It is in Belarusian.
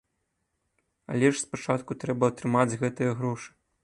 Але ж спачатку трэба атрымаць гэтыя грошы.